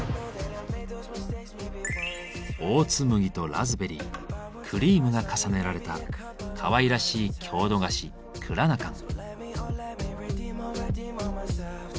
オーツ麦とラズベリークリームが重ねられたかわいらしい郷土菓子「クラナカン」。